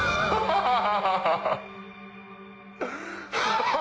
ハハハハハ！